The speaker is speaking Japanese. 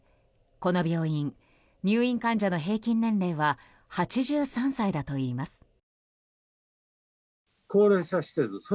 この病院、入院患者の平均年齢は８３歳だといいます。